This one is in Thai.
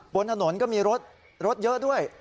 บนถนนก็มีรถรถเยอะด้วย